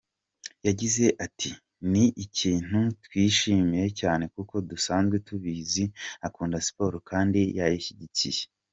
Yagize ati “Ni ikintu twishimiye cyane kuko dusanzwe tubizi ko akunda siporo kandi ayishyigikiye.